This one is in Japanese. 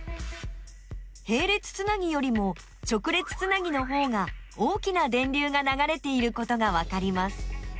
へい列つなぎよりも直列つなぎのほうが大きな電流がながれていることがわかります。